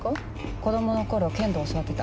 子供の頃剣道教わってた。